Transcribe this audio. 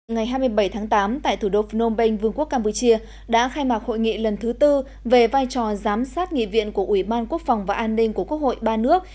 ngày hai mươi bảy tháng tám tại thủ đô phnom penh vương quốc campuchia đã khai mạc hội nghị lần thứ tư về vai trò giám sát nghị viện của ủy ban quốc phòng và an ninh của quốc hội ba nước